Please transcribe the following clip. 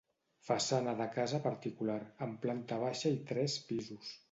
Façana de casa particular, amb planta baixa i tres pisos.